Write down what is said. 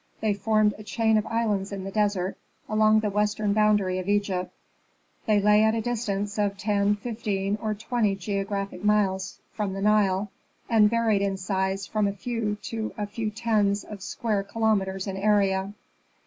They formed a chain of islands in the desert, along the western boundary of Egypt. They lay at a distance of ten, fifteen, or twenty geographic miles from the Nile, and varied in size from a few to a few tens of square kilometres in area.